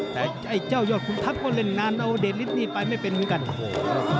แต่เจ้ายอดคุณทัพก็เล่นงานเอาเดทลิศนีดไปไม่เป็นเหมือนกัน